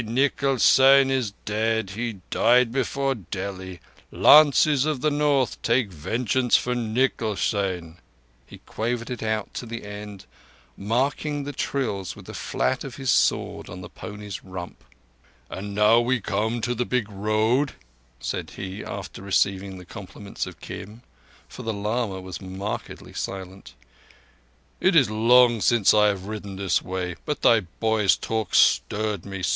Nikal Seyn is dead—he died before Delhi! Lances of the North, take vengeance for Nikal Seyn_." He quavered it out to the end, marking the trills with the flat of his sword on the pony's rump. "And now we come to the Big Road," said he, after receiving the compliments of Kim; for the lama was markedly silent. "It is long since I have ridden this way, but thy boy's talk stirred me.